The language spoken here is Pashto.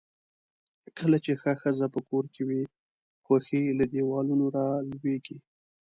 کله چې ښه ښځۀ پۀ کور کې وي، خؤښي له دیوالونو را لؤیږي.